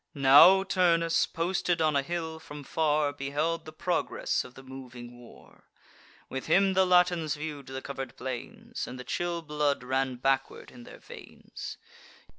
Now Turnus, posted on a hill, from far Beheld the progress of the moving war: With him the Latins view'd the cover'd plains, And the chill blood ran backward in their veins.